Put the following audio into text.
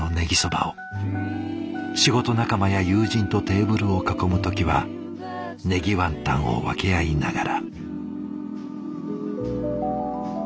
仕事仲間や友人とテーブルを囲む時はねぎワンタンを分け合いながら。